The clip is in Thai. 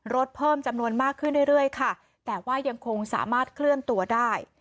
รถเพิ่มจำนวนมากขึ้นเรื่อยค่ะแต่ว่ายังคงสามารถเคลื่อนตัวได้